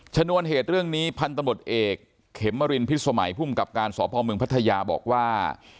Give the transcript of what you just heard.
ชนวนเหตุเรื่องนี้พันธบทเอกเขมรินพิษสมัยภูมิกับการสพเมืองพัทยาบอกว่า